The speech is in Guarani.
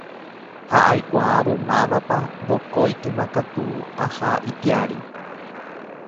Ha aikuaávo mávapa vokóikema katu aha ipiári.